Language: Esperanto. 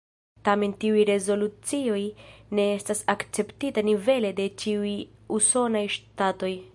Tamen tiuj rezolucioj ne estas akceptita nivele de ĉiuj usonaj ŝtatoj.